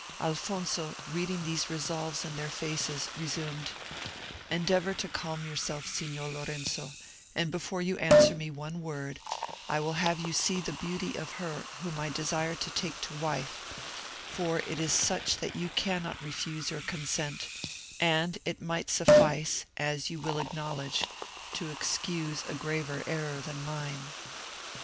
Alfonso, reading these resolves in their faces, resumed: "Endeavour to calm yourself, Signor Lorenzo; and before you answer me one word, I will have you see the beauty of her whom I desire to take to wife, for it is such that you cannot refuse your consent, and it might suffice, as you will acknowledge, to excuse a graver error than mine."